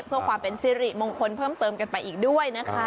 เพื่อความเป็นสิริมงคลเพิ่มเติมกันไปอีกด้วยนะคะ